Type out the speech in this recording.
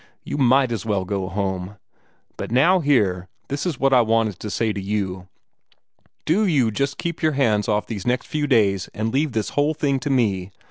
You MIGHT as well go home. But now here, this is what I wanted to say to you: Do you just keep your hands off these next few days, and leave this whole thing to me.